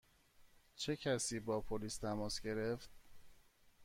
چه کسی با پلیس تماس گرفت؟